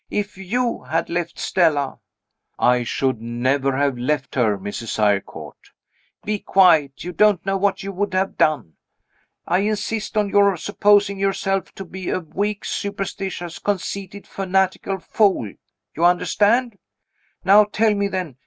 If you had left Stella " "I should never have left her, Mrs. Eyrecourt." "Be quiet. You don't know what you would have done. I insist on your supposing yourself to be a weak, superstitious, conceited, fanatical fool. You understand? Now, tell me, then.